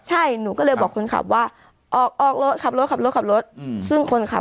ใช่หนูก็เลยบอกคนขับว่าออกออกรถขับรถขับรถซึ่งคนขับ